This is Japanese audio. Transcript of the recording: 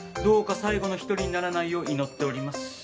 どうか最後の１人にならないよう祈っております。